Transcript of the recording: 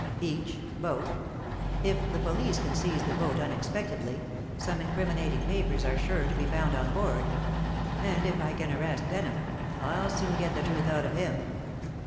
"Each! both! If the police can seize the boat unexpectedly, some incriminating papers are sure to be found on board. And if I can arrest Denham, I'll soon get the truth out of him."